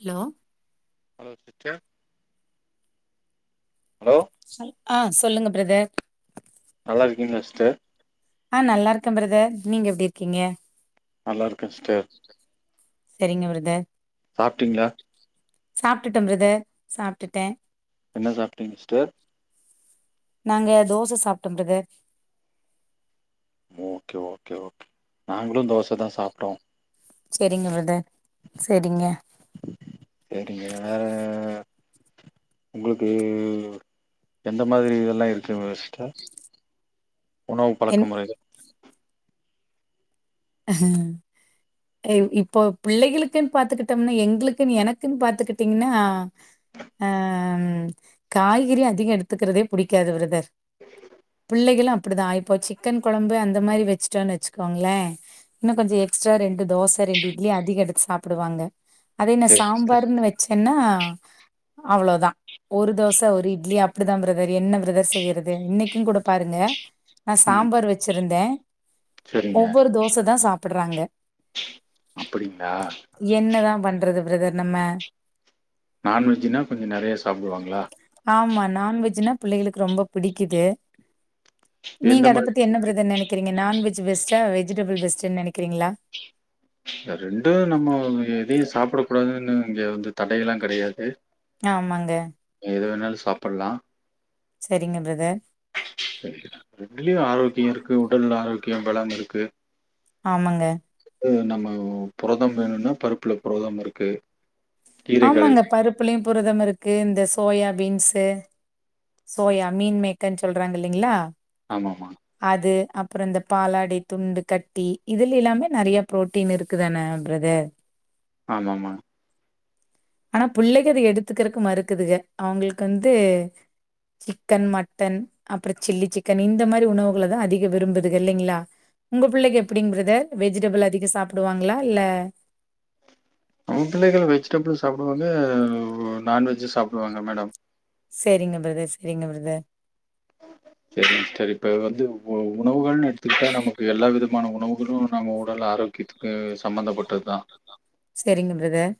Hello hello sister hello ச ஆ சொல்லுங்க ப்ரதர் நல்லாருக்கீங்களா சிஸ்டர் ஆ நல்லாருக்கே ப்ரதர் நீங்க எப்டி இருக்கீங்க நல்லாருக்கே சிஸ்டர் சரிங்க பிரதர் சாப்ட்டீங்களா சாப்ட்டுட்டே ப்ரதர் சாப்ட்டுட்டே என்ன சாப்ட்டீங்க சிஸ்டர் நாங்க தோச சாப்ட்டோ ப்ரதர் ஓகே ஓகே ஓகே நாங்களு தோச தா சாப்ட்டோ சரிங்க ப்ரதர் சரிங்க சரிங்க வேற உங்களுக்கு எந்த மாரி இதெல்லா இருக்கு ஃபஸ்ட்டு உணவு பழக்க என் முறைகள் அஹ ஏ இப்போ பிள்ளைகளுக்குன் பாத்துகிட்டம்னா எங்களுக்குன்னு எனக்குன்னு பாத்துக்கிட்டீங்கன்னா ஆ காய்கறி அதிக எடுத்துக்கிறதே பிடிக்காது ப்ரதர் [inaudible] பிள்ளகளு அப்படி தா இப்போது சிக்கன் கொழம்பு அந்த மாரி வச்சுட்டோன்னு வச்சுக்கோங்களே இன்னு கொஞ்ச எக்ஸ்ட்ரா ரெண்டு தோச ரெண்டு இட்லி அதிக எடுத்து சாப்டுவாங்க அதே என்ன சரி சிஸ்டர் சாம்பருன்னு வச்சேன்னா அவ்வளோதா ஒரு தோச ஒரு இட்லி அப்படிதா ப்ரதர் என்ன ப்ரதர் செய்யறது இன்னைக்கு கூட பாருங்க நா ம் சாம்பார் வச்சிருந்தே சரிங்க ஒவ்வொரு தோசதா சாப்ட்றாங்க அப்படிங்களா என்னதான் பண்றது பிரதர் நம்ம நண்வெஜ்ஜுனா கொஞ்ச நெறையா சாப்வாங்களா ஆமா நான்வெஜ்னா பிள்ளைகளுக்கு ரொம்ப பிடிக்குது நீங்க எந்த அத பத்தி என்ன பிரதர் நெனைக்கிறீங்க நான்வெஜ் பெஸ்டா வெஜிடபிள் பெஸ்ட்ன்னு நெனைக்கிறீங்களா ரெண்டு நம்ம எதையு சாப்டக் கூடாதுன்னு இங்க வந்து தடையெல்லா கெடையாது ஆமாங்க எது வேணாலு சாப்பலா சரிங்க ப்ரதர் சரிங்கதா ரெண்டுலயு ஆரோக்கிய இருக்கு உடல் ஆரோக்கியோ பல இருக்கு ஆமாங்க ஓ நம்ம புரதம் வேணும்னா பருப்புல புரதம் இருக்கு கீரைகள் ஆமாங்க பருப்புலயு புரதம் இருக்கு இந்த சோயா பீன்ஸு சோயா மீன் மேக்கர்ன்னு சொல்றாங்க இல்லைங்களா ஆமாம்மா அது அப்பற இந்த பாலாடை துண்டு கட்டி இதுல எல்லாமே நெறைய ப்ரோ டீன் இருக்கு தான பர்தர் ஆமாமா ஆனா பிள்ளைக அத எடுத்துக்கறக்கு மறுக்குதுங்க அவங்களுக்கு வந்து சிக்கன் மட்டன் அப்பற சில்லி சிக்கன் இந்த மாரி உணவுகளதா அதிக விரும்புதுக இல்லைங்களா உங்க புள்ளைக்கு எப்டிங்க பிரதர் வெஜிடபிள் அதிகோ சாப்டுவாங்களா இல்ல நம்ம பிள்ளைகள் வெஜிடபிளும் சாப்பிடுவாங்க நான்வெஜ்ஜும் சாப்பிடுவாங்க மேடம் சேரிங்க பிரதர் சேரிங்க பிரதர் சரி சரி இப்ப வந்து உ உணவுகள்னு எடுத்துக்கிட்டா நமக்கு எல்லா வித மான உணவுகளு நம்ம உடல் ஆரோக்கியத்துக்கு சம்பந்தப்பட்டது தா சரிங்க பிரதர்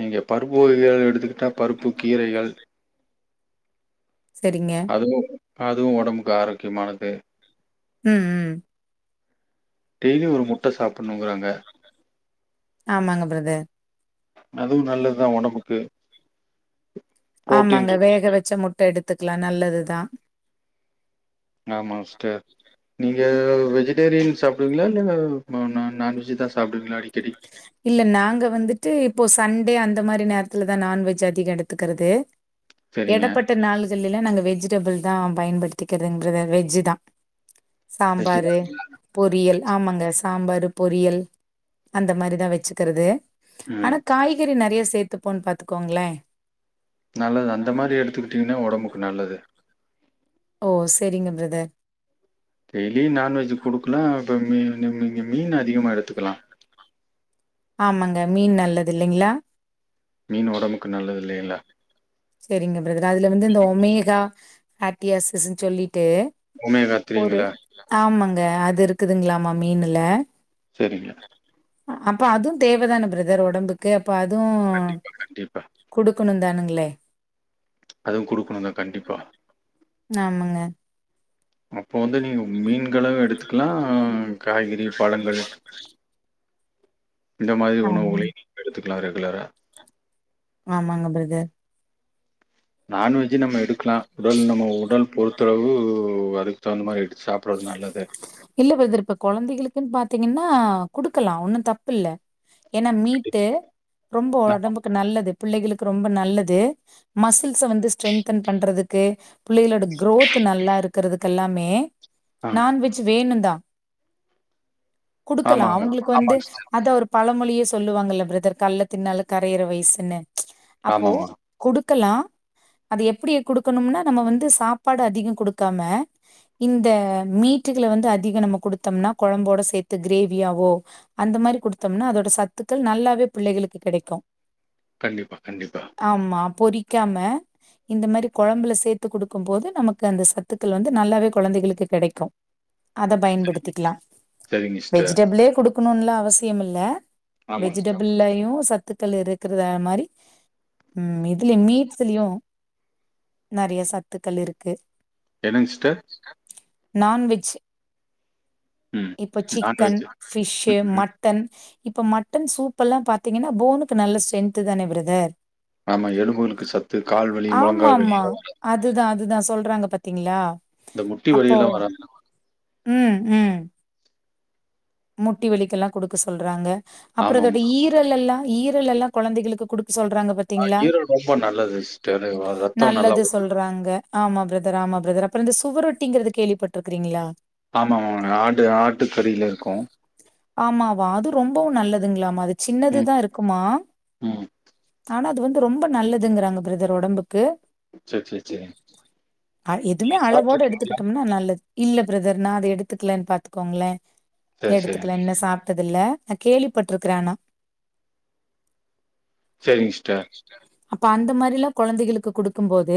நீங்க பருப்பு வகைகள் எதா எடுத்துக்கிட்டா பருப்பு கீரைகள் சரிங்க அதுவு‌ அதுவு ஒடம்புக்கு ஆரோக்கியமானது ம் ம் டெய்லி ஒரு முட்ட சாப்பட்ணுங்கிறாங்க ஆமாங்க பிரதர் அதுவு நல்லதுதா ஒடம்புக்கு ஆமாங்க வேக வச்ச முட்ட எடுத்துக்கலா நல்லதுதா ஆமா சிஸ்டர் நீங்க வெஜிடேரியன் சாப்டுவீங்களா இல்ல நா நா நான்வெஜ் தா சாப்டுவீங்களா அடிக்கடி இல்ல நாங்க வந்துட்டு இப்போ சண்டே அந்த மாரி நேரத்துல தா நான்வெஜ் அதிகோ எடுத்துக்கறது சரிங்க. எடப்பட்ட நாள்கலேல நாங்க வெஜிடபிள் தா பயன்படுத்திக்கின்றதுங்கத வெஜ்ஜு தா வெஜ் சாம்பாரு பொரியல் ஆமாங்க சாம்பாரு பொரியல் அந்த மாரிதா வச்சுக்கறது ஆனா ம். காய்கறி நறைய சேத்துப்போன்னு பாத்துக்கோங்கள நல்லது அந்த மாரி எடுத்துக்கிட்டிங்கன்னா ஒடம்புக்கு நல்லது ஓ சரிங்க பிரதர் டெய்லியு நான்வெஜ்ஜு குடுக்கலா இப்ப மீனு மீ‌னு மீன் அதிகமாக எடுத்துக்கலா ஆமாங்க மீன் நல்லது இல்லைங்களா மீன் ஒடம்புக்கு நல்லது இல்லைகளா சரிங்க பிரதர் அதுல வந்து இந்த ஒமேகா ஆட்டியாசஸ்ன்னு சொல்லிட்டு ஒமேகா ஒரு ஆமாங்க அது இருக்குதுங்களாமா மீனுல சரிங்க அப்ப அதுவு தேவதான பிரதர் ஒடம்புக்கு அப்ப அது கண்டிப்பா. குடுக்கணு தானுங்களே அதுவு குடுக்கணு தா கண்டிப்பா ஆமாங்க அப்போ வந்து நீங்க மீன்களு எடுத்துக்கலாம் காய்கறி, பழங்கள் இந்த மாரி ஆமாங்க. உணவுகளையு நீங்க எடுத்துக்கலா ரெகுலரா ஆமாங்க பிரதர் நான்வெஜ்ஜு நம்ம எடுக்கலா உடல் நம்ம உடல் பொறுத்தளவு அதுக்கு தகுந்த மாரி எடுத்து சாப்ட்றதுல இல்ல பிரதர் இப்ப குழந்தைகளுக்குன் பாத்தீங்கன்னா குடுக்கலா ஒன்னும் தப்பு இல்ல. ஏனா மீட்டு கண்டிப்பா. ரொம்ப ஒடம்புக்கு நல்லது, பிள்ளைகளுக்கு ரொம்ப நல்லது. மசில்ஸ்ஸ வந்து ஸ்ட்ரென்தன் பண்றதுக்கு புள்ளைகளோட கோரோத் நல்லா இருக்கிறதுக்கு எல்லாமே ஆ நான்வெஜ் வேணு‌ தா குடுக்கலா ஆமாங்க. அவுங்களுக்கு வந்து ஆமாங்க சிஸ்டர். அத ஒரு பழமொழியே சொல்லுவாங்கல்ல பிரதர் கள்ள தின்னாலு கரையற வயசுன்னு அப்போ ஆமாமா. குடுக்கலா அது எப்டி குடுக்கணும்னா நம்ம வந்து சாப்பாடு அதிகோ கொடுக்காம, இந்த மீட்டுகள வந்து அதிகோ நம்ம குடுத்தோம்னா குழம்போட சேத்து கிரேவியாவோ அந்த மாரி கொடுத்தோம்னா அதோட சத்துக்கள் நல்லாவே பிள்ளைகளுக்கு கிடைக்கும். கண்டிப்பா கண்டிப்பா ஆமா பொறிக்காம இந்த மாரி கொழம்புல சேத்து கொடுக்கும் போது நமக்கு அந்த சத்துக்கள் வந்து நல்லாவே குழந்தைகளுக்கு கிடைக் கு அத பயன்படுத்திக்கலா சரிங்க சிஸ்டர். வெஜிடபிளே கொடுக் கணுல அவசியம் இல்ல ஆமாங்க சிஸ்டர். வெஜிடபிளேயும் சத்துக்கள் இருக்கு க்கிற மாரி ம் இதுல மீட்ஷ்லயு நெறைய சத்துக்கள் இருக்கு என்னங் சிஸ்டர் நான்வெஜ், ம். இப்போ சிக்கன், நான்வெஜ்ஜு. ஃபிஷ், ம். மட்ட டன் இப்ப மட்டன் சூப் எல்லா பாத்தீங்கன்னா, போனுக்கு நல்ல ஸ்ட்ரென்ந்து தான பிரதர் ஆமா எலும்புகளுக்கு சத்து கால்வலி, முழங்கால்வலி இதுலா வராது அதுதா, அதுதா சொல்றாங்க பாத்தீங்ளா இந்த முட்டி வழி எல்லா வராம ம் ம் முட்டி வலிக்க எல்லா குடுக்க சொல்றாங்க, அப்றோ அதோட ஆமாமா. ஈரல் எல்லா ஈரல் எல்லா குழந்தைகளுக்கு குடுக்க சொல்றாங்க பாத்தி ஆ ஈரல் ரொம்ப நல்லது சிஸ்டர் ரத்த நல்லா நல்லது ஊரு சொல்றாங்க, ஆமா பிரதர், ஆமா பிரதர் அப்றம் இந்த சுவரொட்டிங்கிறது கேள்விப்பட்டுருக்கிறீங்களா ஆமாம்மா ஆடு ஆட்டு கறியில இருக்கும். ஆமாவா அது ரொம்பவும் நல்லதுங்ளாமா, அது ம், சின்னதுதா இருக்குமா ம். ஆனா அது வந்து ரொம்ப நல்லதுங்றாங்க பிரதர் உடம்புக்கு சரி, சரி, சரி. அ எதுவுமே நீங்க அளவோடு சாப்பிட்டுருக்கீங்களா? எடுத்துக்கிட்டோம்னா நல்லது இல்ல பிரதர் நா அத எடுத்துக்கலன்னு பாத்துக்கோங்ளே சரி, எடுத்து சரி. என்ன சாப்ட்டதில்லை நா கேள்விப்பட்ருக்கிறே ஆனா சரிங்க சிஸ்டர். அப்ப அந்த மாதிரி எல்லா கொழந்தைகளுக்கு குடுக்கும் போது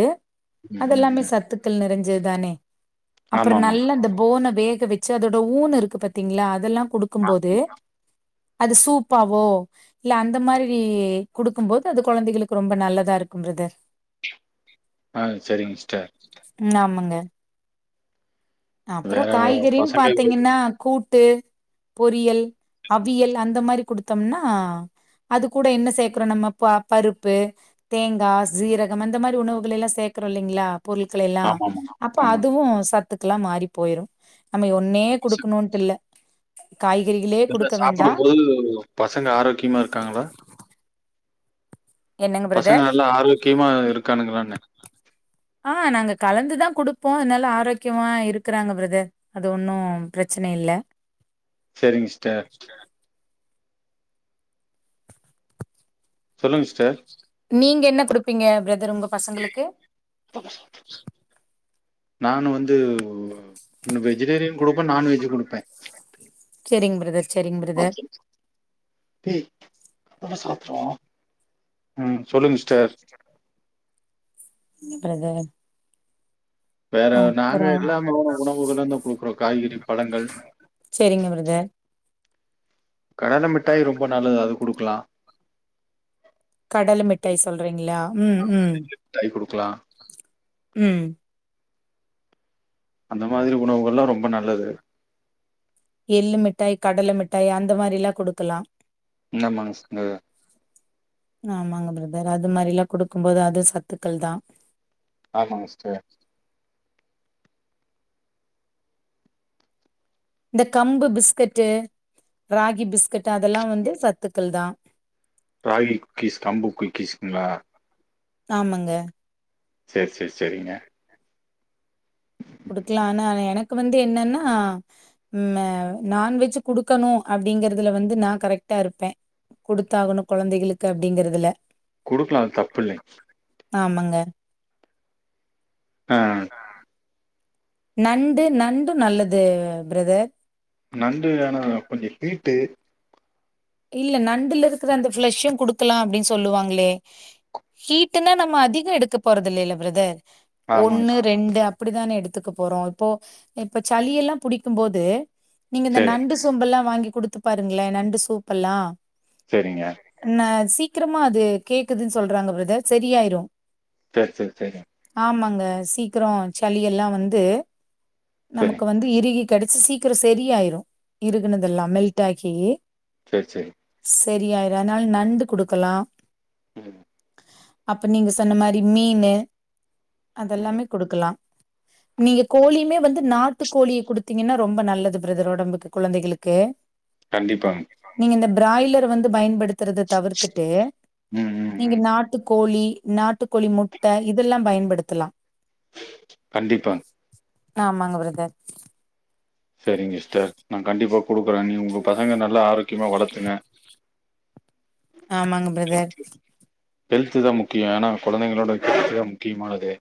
ம், ம், அதெல்லாமே ம். சத்துக்கள் நெறஞ்சதுதானே அப்ற ஆமாமா. நல்லா அந்த போன்ன வேக வச்சு அதோட ஊன் இருக்கு பாத்தீங்களா அதெல்லா குடுக்கும் போது அது சூப்பாவோ இல்ல அந்த மாரி குடுக்கும் போது அது கொழந்தைகளுக்கு ரொம்ப நல்லதா இருக்கும் பிரதர் ஆ சரிங்க சிஸ்டர். ம் ஆமங்க அப்றோ வேற காய்கறின்னு பசங்க பாத்தீங்கன்னா கூட்டு பொரியல் அவியல் அந்த மாரி குடுத்தோம்னா அது கூட என்ன சேக்குறோ நம்ம பா பருப்பு தேங்கா சீரகம் அந்த மாரி உணவுகள் எல்லா சேக்குறோ இல்லைங்ளா பொருட்கள எல்லா ஆமாமா. ஆமா. அப்ப ஆமா. அதுவு சத்துக்கெல்லாம் மாறி போயிரும் நம்ம ஒன்னே பசங்க குடுக்கணும்ட்டு இல்ல காய்கறிகளே இல்ல குடுக்க வேண்டா சாப்பிடும்போது பசங்க ஆரோக்கியமா இருக்காங்களா என்னங்க பசங்க பிரதர் நல்லா ஆரோக்கியமா இருக்கானுங்களாம்னே ஆ நாங்க கலந்துதா குடுப்போ நல்லா ஆரோக்கியமா இருக்குறாங்க பிரதர் அது ஒன்னூ பிரச்சனை இல்ல சேரிங்க சிஸ்டர் சொல்லுங்க சிஸ்டர் நீங்க என்ன குடுப்பீங்க பிரதர் உங்க பசங்களுக்கு நான் வந்து வெஜிடேரியன் குடுப்பே நான்வெஜு குடுப்பே சேரிங்க பிரதர் சேரிங்க பிரதர் [unintelligible] ம் சொல்லுங்க சிஸ்டர் ம் பிரதர் வேற நாங்க அப்றோ இல்லாமலான உணவுகள் தான் குடுக்குறோ காய்கறி பழங்கள் சேரிங்க பிரதர் கடலை மிட்டாய் ரொம்ப நல்லது அது குடுக்கலாம் கடலை மிட்டாய் சொல்றீங்ளா ம் ம் தை குடுக்லா ம் அந்த மாரி உணவுகள் எல்லா ரொம்ப நல்லது எள்ளு மிட்டாய் கடலை மிட்டாய் அந்த மாரிலா குடுக்கலா என்னா மனசுங்க ஆமாங்க பிரதர் அது மாரில்லா குடுக்கும் போது அது சத்துக்கள் தான் ஆமாங்க சிஸ்டர் இந்த கம்பு பிஸ்கட்டு ராகி பிஸ்கட்டு் அதெல்லா வந்து சத்துக்கள் தான் ராகி குக்கீஸ் கம்பு குக்கீஸ்ங்களா ஆமாங்க சேரி சேரி சேரிங்க குடுக்கலானு ஆனா என க்கு வந்து என்னன்னா உம் நான்வெஜ்ஜு குடுக்கணு அப்படிங்கறதுல வந்து நா கரெக்ட்டா இருப்பே குடுத்தாகணு குழந்தைகளுக்கு அப்டிங்கறதுல குடுக்கலா தப்புல்லை ஆமாங்க ஆஹ் நண்டு நண்டு நல்லது பிரதர் நண்டு ஆனா கொஞ்ச ஹீட்டு இல்ல நண்டுல இருக்கிற அந்த ஃப்ளஷ்ஷு குடுக்கலா அப்டின்னு சொல்லுவாங்களே ஹீட்டுனா நம்ம அதிக எடுக்க போறது இல்லல்ல பிரதர் ஆமா. ஒண்ணு ரெண்டு அப்டித்தானே எடுத்துக்க போறோ இப்போ இப்ப சளி எல்லா பிடிக்கும் போது நீங்க இந்த சரி, நண்டு சோம்பெல்லா வாங்கி குடுத்து பாருங்களே நண்டு சூப்பெல்லா சேரிங்க ம் நா சீக்கிரமா அது கேக்குதுன் சொல்றாங்க பிரதர் சரியாயிரும் சேரி சேரி சேரி ஆமாங்க சீக்கிரம் சளி எல்லா வந்து சரி, நமக்கு வந்து இறுகி கிடைச்சு சீக்கிரம் சரியாயிரும் இறுகுனது எல்லா மெல்ட் ஆகி சேரி சேரி சேரியாயிரு அதனால நண்டு குடுக்கலா ம் அப்ப நீங்க சொன்ன மாரி மீனு ம். அதெல்லாமே குடுக்கலா நீங்க கோழியுமே வந்து நாட்டு கோழிய குடுத்தீங்கன்னா ரொம்ப நல்லது பிரதர் உடம்புக்கு குழந்தைகளுக்கு கண்டிப்பாங்க நீங்க இந்த பிராய்லர் வந்து பயன்படுத்துறத தவிர்த்துட்டு ம், ம், நீங்க ம். நாட்டு கோழி நாட்டுக்கோழி முட்ட இதெல்லாம் பயன்படுத்தலாம் கண்டிப்பா ஆமாங்க பிரதர் சரிங்க சிஸ்டர் நா கண்டிப்பாக குடுக்குறே நீங்க உங்க பசங்க நல்லா ஆரோக்கியமாக வளர்த்துங்க ஆமாங்க பிரதர் ஹெல்து தா முக்கியம் ஏன்னா குழந்தைங்களோட ஹெல்து தா முக்கியமானது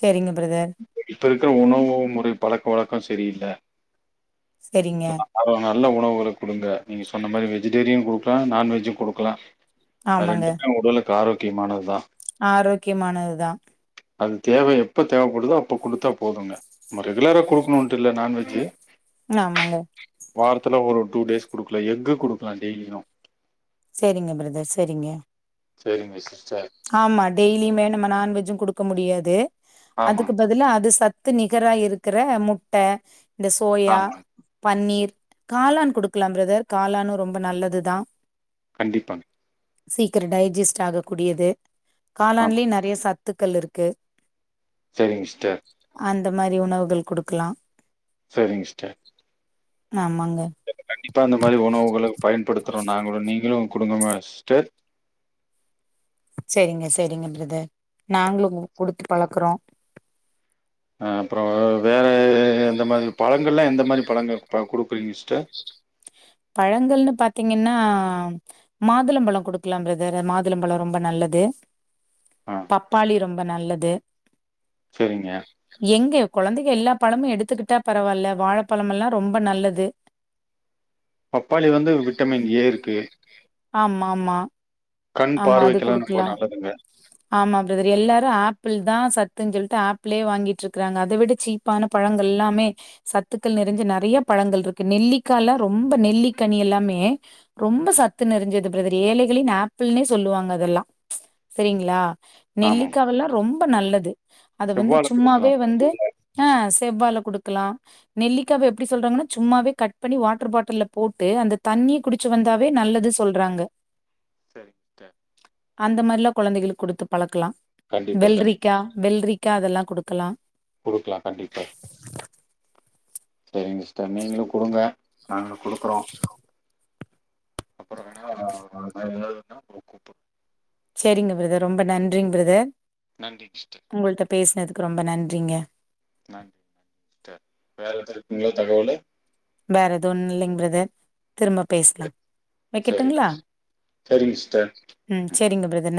சரிங்க பிரதர் இப்ப இருக்கிற உணவு முறை பழக்க வழக்கம் சரியில்ல சரிங்க அப்றம் நல்ல உணவுகள குடுங்க நீங்க சொன்ன மாரி வெஜிடேரியன் குடுக்கலா நான்வெஜ்ஜும் குடுக்கலா ஆமாங்க ரெண்டுமே உடலுக்கு ஆரோக்கியமானதுதா ஆரோக்கியமானதுதா அது தேவ எப்ப தேவப்படுதோ அப்ப குடுத்தா போதுங்க நம்ம ரெகுலரா குடுக்கணும்ன்ட்டு இல்ல நான்வெஜ்ஜு ஆமாங்க வாரத்துல ஒரு டூ டேஸ் குடுக்கலா எஃக்கு குடுக்கலா டெய்லியும் சரிங்க பிரதர் சரிங்க சரிங்க சிஸ்டர் ஆமா டெய்லியுமே நம்ம நான்வெஜ்ஜும் குடுக்க முடியாது அதுக்கு ஆமாங் பதிலா அது சத் க்கு நிகர இருக்கிற முட்ட இந்த சோயா ஆமாங் பன்னீர் காளான் குடுக்கலா பிரதர் காளானு ரொம்ப நல்லதுதா கண்டிப்பாங் சீக்கிரோ டைசிஸ்ட் ஆக கூடியது காலான்லயே ஆமாங் நெறைய சத்துக்கள் இருக்கு செரிங்க சிஸ்டர் அந்த மாரி உணவுகள் குடுக்கலா செரிங் சிஸ்டர் ஆமாங்க கண்டிப்பா இந்த மாரி உணவுகல பயன்படுத்துறோ நாங்களு நீங்களு குடுங்க மா சிஸ்டர் சேரிங்க சேரிங்க பிரதர் நாங்களு குடுத்து பழக்குறோ அ அப்றோ வேற எந்த மாரி பழங்கள்லா எந்த மாரி பழங்கள் குடுப்பீங்க சிஸ்டர் பழங்கள்ன்னு பாத்தீங்கன்னா மாதுளபழோ குடுக்கலா பிரதர் மாதுளபழோ ரொம்ப நல்லது ஆ பப்பாளி ரொம்ப நல்லது செரிங்க எங்க கொழந்தைக எல்லா பழமு எடுத்துக்கிட்டா பரவாயில்ல வாழப்பழமெல்லா ரொம்ப நல்லது பப்பாளி வந்து விட்டமின் ஏ இருக்கு ஆமா ஆமா கண் ஆமா அது பார்வைக்கெல்லா ரொம்ப குடுக்கலா நல்லதுங்க ஆமா பிரதர் எல்லாரு ஆப்பிள் தா சத்துன்னு சொல்ட்டு ஆப்பிளே வாங்கிட்டு இருக்கறாங்க அத விட சீப் ப்பான பழங்கள் எல்லாமே சத்துக்கள் நிறஞ்ச நெறைய பழங்கள் இருக்கு நெல்லிக்கால்லா ரொம்ப நெல்லிக்கனி எல்லாமே ரொம்ப சத்து நிரஞ்சது பிரதர் ஏழைகளின் ஆப்பிள்னே சொல்லுவாங்க அதெல்லா செரிங்ளா ஆமாங் நெல்லிக்காவெல்லா ரொம்ப நல்லது அத வந்து செவ்வாழ குடுக்கலா சும்மாவே வந்து அ செவ்வால குடுக்கலா நெல்லிக்காவ எப்டி சொல்றாங்கன்னா சும்மாவே கட் பண்ணி வா வாட்டர் பாட்டில் போட்டு அந்த தண்ணிய குடிச்சு வந்தாவே நல்லது சொல்றாங்க [unintelligible] அந்த மாரிலா கொழந்தைகளுக்கு குடுத்து பழக்கலா கண்டிப்பா கண்டி வெள்ளரிக்கா வெள்ளரிக்கா அதெல்லா குடுக்கலா குடுக்கலா கண்டிப்பா செரிங்க சிஸ்டர் நீங்களு குடுங்க நாங்களு குடுக்குறோ அப்றோ வேண்ணா நா எதாவதுனா கூப்ட்டுற செரிங்க பிரதர் ரொம்ப நன்றிங் பிரதர் நன்றிங் சிஸ்டர் உங்கள்ட்ட பேசினதுக்கு ரொம்ப நன்றிங்க நன்றி வேற எதாவது இருக்குங்ளா தகவலு வேற எது ஒன்னு இல்லிங் பிரதர் திரும்ப பேசலா வைக்கட்டுங்ளா சரிங்க சரிங்க சிஸ்டர் ம் ஆ செரிங்க பிரதர்